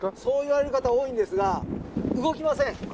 そう言われる方多いんですが動きません